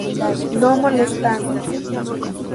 No molestar!